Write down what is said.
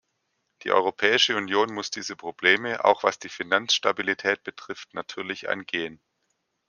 Die Europäische Union muss diese Probleme, auch was die Finanzstabilität betrifft, natürlich angehen.